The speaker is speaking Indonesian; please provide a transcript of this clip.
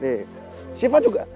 nih syifa juga